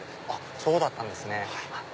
そうだったんですね。